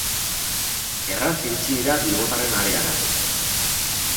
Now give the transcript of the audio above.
Erraz iritsi dira bilbotarren areara.